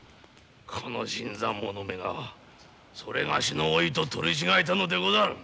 この新参者めがそれがしの笈と取り違えたのでござる。